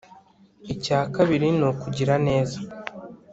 icya kabiri ni ukugira neza